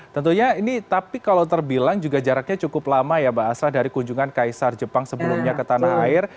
tentunya ini tapi kalau terbilang juga jaraknya cukup lama ya mbak asra dari kunjungan kaisar jepang sebelumnya ke tanah air